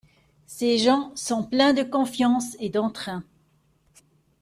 Ces gens sont pleins de confiance et d'entrain.